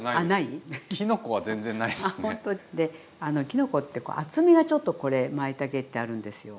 きのこって厚みがちょっとこれまいたけってあるんですよ。